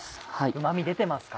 うま味出てますか？